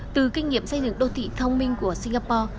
từ kinh nghiệm xây dựng đô thị thông minh của singapore